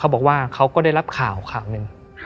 บอกว่าเขาก็ได้รับข่าวข่าวหนึ่ง